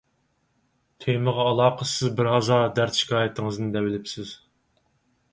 تېمىغا ئالاقىسىز بىرھازا دەرد - شىكايىتىڭىزنى دەۋېلىپسىز.